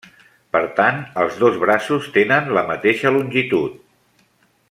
Per tant els dos braços tenen la mateixa longitud.